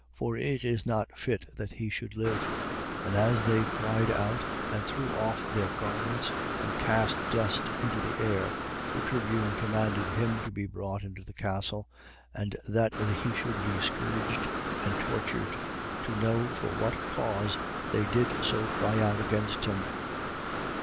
For it is not fit that he should live. 22:23. And as they cried out and threw off their garments and cast dust into the air, 22:24. The tribune commanded him to be brought into the castle, and that he should be scourged and tortured: to know for what cause they did so cry out against him.